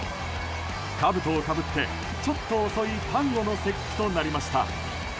かぶとをかぶってちょっと遅い端午の節句となりました。